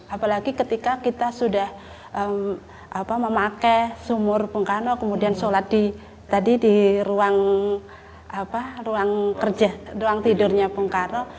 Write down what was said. apalagi ketika kita sudah memakai sumur bung karno kemudian sholat di tadi di ruang kerja ruang tidurnya bung karno